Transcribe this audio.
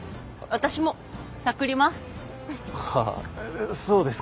私もタクります。